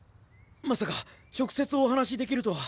まさか直接お話しできるとは。